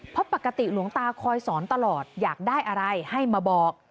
เพราะปกติหลวงตาคอยสอนตลอดอยากได้อะไรให้มาบอก